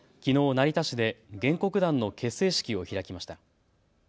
成田市で原告団の結成式を開きました。